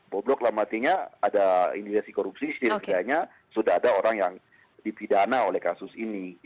boblok dalam artinya ada indikasi korupsi setidaknya sudah ada orang yang dipidana oleh kasus ini